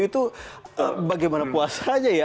itu bagaimana puasanya ya